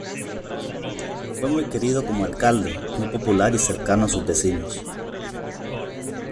Fue muy querido como Alcalde muy popular y cercano a sus vecinos.